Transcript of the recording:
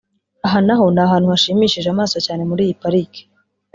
Aha naho ni ahantu hashimishije amaso cyane muri iyi pariki